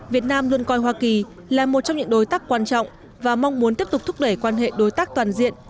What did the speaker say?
việt nam luôn coi hoa kỳ là một trong những đối tác quan trọng và mong muốn tiếp tục thúc đẩy quan hệ đối tác toàn diện